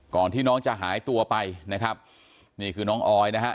ที่น้องจะหายตัวไปนะครับนี่คือน้องออยนะฮะ